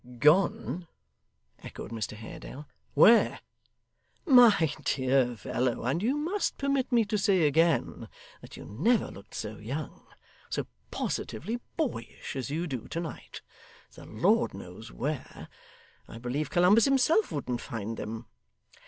'Gone!' echoed Mr Haredale. 'Where?' 'My dear fellow and you must permit me to say again, that you never looked so young; so positively boyish as you do to night the Lord knows where; I believe Columbus himself wouldn't find them.